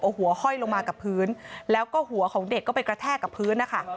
โอ้โหหัวห้อยลงมากับพื้นแล้วก็หัวของเด็กก็ไปกระแทกกับพื้นนะคะ